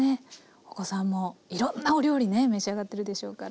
お子さんもいろんなお料理ね召し上がってるでしょうから。